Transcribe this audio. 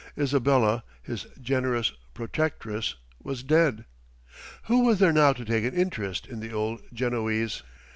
Isabella, his generous protectress, was dead. Who was there now to take an interest in the old Genoese?